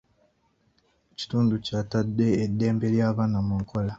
Ekitundu kyatadde eddembe ly'abaana mu nkola.